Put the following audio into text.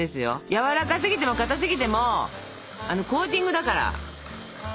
やわらかすぎてもかたすぎてもコーティングだからダメなんですよ。